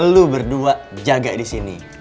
lu berdua jaga di sini